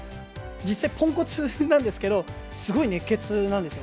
実際、ポンコツなんですけど、すごい熱血なんですよ。